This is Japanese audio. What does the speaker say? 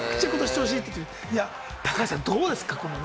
高橋さん、どうですか？